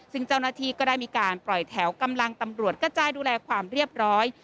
ซึ่งเจ้าหน้าที่ก็ได้มีการปล่อยแถวกำลังตำรวจกระจายดูแลความเรียบร้อย